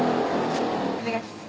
お願いします。